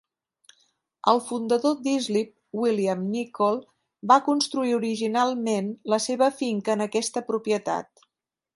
El fundador d'Islip, William Nicoll, va construir originalment la seva finca en aquesta propietat.